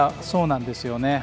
そうなんですよね。